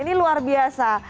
ini luar biasa